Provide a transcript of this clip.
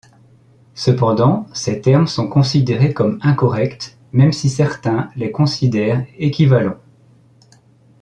Cependant, ces termes sont considérés comme incorrects même si certains les considèrent équivalents.